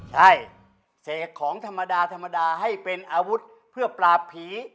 ใช่เสกของธรรมดาธรรมดาให้เป็นอาวุธเพื่อปราบผี